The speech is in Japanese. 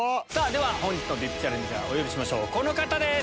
では本日のＶＩＰチャレンジャーお呼びしましょうこの方です！